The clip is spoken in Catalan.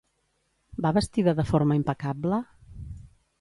Va vestida de forma impecable?